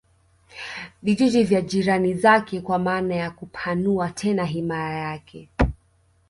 vijiji vya jirani zake kwa maana ya kupanua tena himaya yake